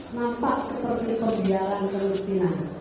nampak seperti pembayaran kemuskinaan